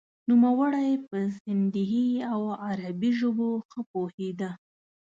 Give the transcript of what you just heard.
نوموړی په سندهي او عربي ژبو ښه پوهیده.